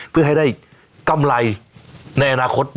เพื่อให้ได้กำไรในอนาคต